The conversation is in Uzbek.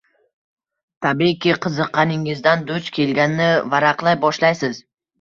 Tabiiyki, qiziqqaningizdan duch kelganini varaqlay boshlaysiz.